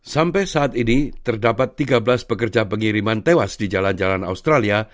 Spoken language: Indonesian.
sampai saat ini terdapat tiga belas pekerja pengiriman tewas di jalan jalan australia